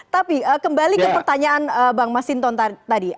tapi kembali ke pertanyaan bang masinton tadi